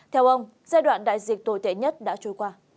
theo ông giai đoạn đại dịch tồi tệ nhất đã trôi qua